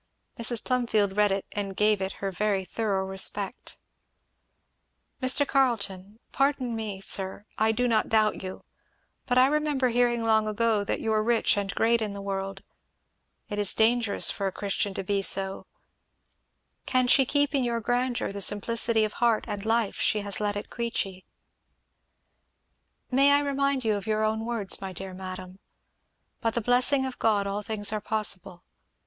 Mrs. Plumfield read it and gave it her very thorough respect. "Mr. Carleton pardon me, sir, I do not doubt you but I remember hearing long ago that you were rich and great in the world it is dangerous for a Christian to be so Can she keep in your grandeur the simplicity of heart and life she has had at Queechy?" "May I remind you of your own words, my dear madam? By the blessing of God all things are possible.